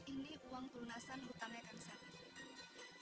ini uang perunasan hutangnya kang salih